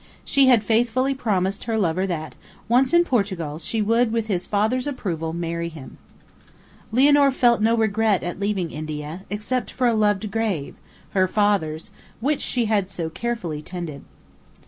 She had faithfully promised her lover that, once in Portugal, she would, with his father's approval, marry him. Lianor felt no regret at leaving India, except for a loved grave her father's which she had so carefully tended.